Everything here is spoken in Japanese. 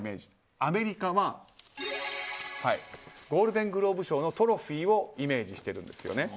アメリカはゴールデングローブ賞のトロフィーをイメージしているんですよね。